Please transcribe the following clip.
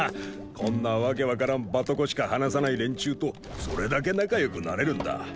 こんな訳分からんバトコしか話さない連中とそれだけ仲良くなれるんだ。